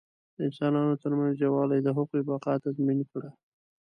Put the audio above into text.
د انسانانو تر منځ یووالي د هغوی بقا تضمین کړه.